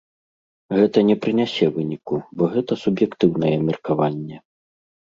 Гэта не прынясе выніку, бо гэта суб'ектыўнае меркаванне.